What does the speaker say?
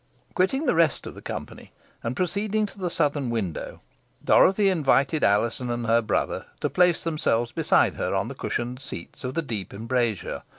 Quitting the rest of the company, and proceeding to the southern window, Dorothy invited Alizon and her brother to place themselves beside her on the cushioned seats of the deep embrasure.